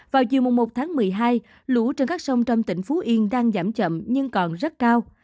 vào chiều một tháng một mươi hai lũ trên các sông trong tỉnh phú yên đang giảm chậm nhưng còn rất cao